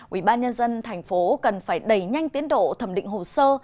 ubnd tp hà nội cần phải đẩy nhanh tiến độ thẩm định hồ sơ